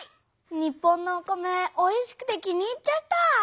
日本のお米おいしくて気に入っちゃった！